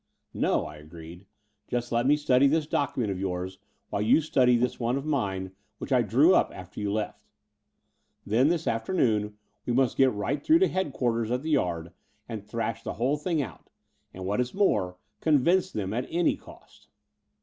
"No," I agreed. "Just let me study this docu ment of yoturs, while you study this one of mine, which I drew up after you left. Then this after noon we must get right through to headquarters at the Yard, and thrash the whole thing out — and, what is more, convince them at any cost."